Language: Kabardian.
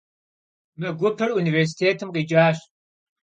Mı gupır vunivêrsitêtım khiç'aş.